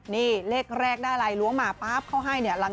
นี่เลขแรกได้อะไรล้วงมาปั๊บเขาให้เนี่ย